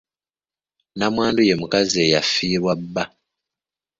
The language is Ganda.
Nnamwandu ye mukazi eyafiirwa bba.